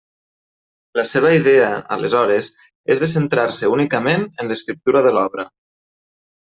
La seva idea aleshores és de centrar-se únicament en l'escriptura de l'obra.